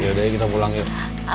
yaudah yuk kita pulang yuk